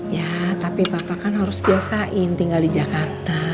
ya tapi bapak kan harus biasain tinggal di jakarta